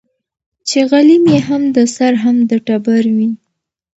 چي غلیم یې هم د سر هم د ټبر وي